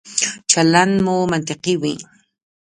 چلند مو منطقي وي.